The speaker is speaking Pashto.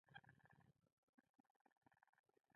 • وخت د ژوند خزانه ده.